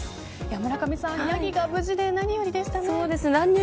村上さん、ヤギが無事で何よりでしたね。